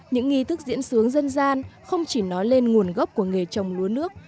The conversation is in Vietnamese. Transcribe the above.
những nghi thức diễn sướng dân gian không chỉ nói lên nguồn gốc của nghề trồng lúa nước